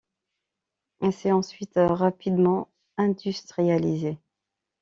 Elle s'est ensuite rapidement industrialisée.